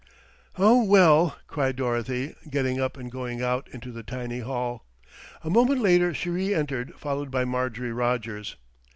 "Oh, well," cried Dorothy, getting up and going out into the tiny hall. A moment later she re entered, followed by Marjorie Rogers.